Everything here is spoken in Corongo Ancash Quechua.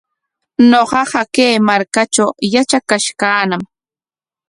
Ñuqaqa kay markatraw yatrakash kaañam.